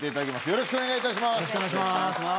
よろしくお願いします。